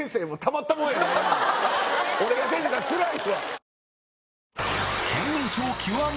俺が先生だったらつらいわ。